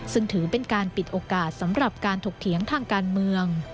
ซึ่งถือเป็นการปิดโอกาสสำหรับการถกเถียงทางการเมือง